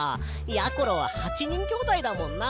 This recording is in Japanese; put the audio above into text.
やころは８にんきょうだいだもんな。